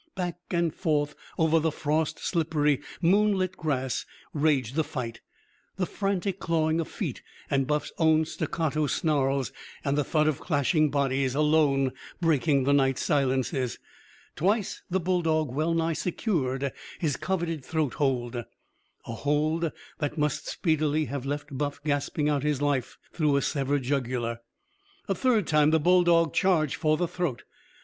Back and forth over the frost slippery, moon lit grass raged the fight, the frantic clawing of feet and Buff's own staccato snarls and the thud of clashing bodies alone breaking the night silences. Twice the bulldog well nigh secured his coveted throat hold a hold that must speedily have left Buff gasping out his life through a severed jugular. A third time the bulldog charged for the throat.